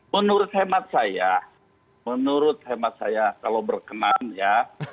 menurut hemat saya menurut hemat saya kalau berkenan ya